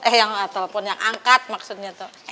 eh yang telpon yang angkat maksudnya tuh